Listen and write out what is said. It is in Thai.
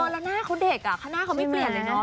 แล้วหน้าคุณเด็กหรอเขาไม่เปลี่ยนเลยเนอะ